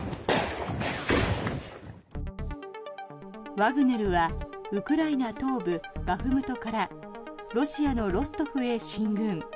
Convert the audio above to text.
ワグネルはウクライナ東部バフムトからロシアのロストフへ進軍。